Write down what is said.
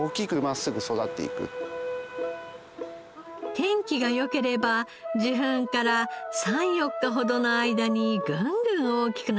天気が良ければ受粉から３４日ほどの間にぐんぐん大きくなっていきます。